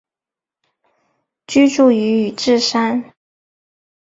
居住于宇治山。